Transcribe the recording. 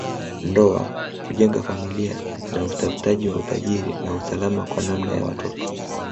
Ndoa kujenga familia na utafutaji wa utajiri na usalama kwa namna ya watoto